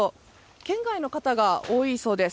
県外の方が多いそうです。